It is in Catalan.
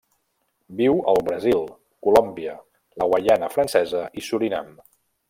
Viu al Brasil, Colòmbia, la Guaiana Francesa i Surinam.